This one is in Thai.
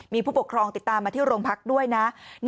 มีผู้ปกครองติดตามมาที่โรงพักด้วยนะ